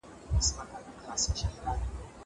زه پرون مېوې وخوړه!